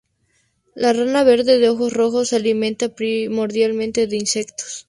La rana verde de ojos rojos se alimenta primordialmente de insectos.